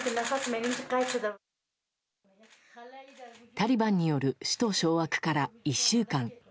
タリバンによる首都掌握から１週間。